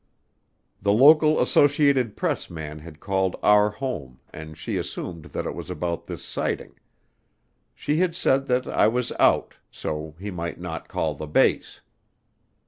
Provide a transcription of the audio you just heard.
The local Associated Press man had called our home and she assumed that it was about this sighting. She had just said that I was out so he might not call the base.